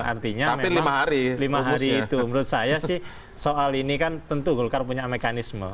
artinya memang lima hari itu menurut saya sih soal ini kan tentu golkar punya mekanisme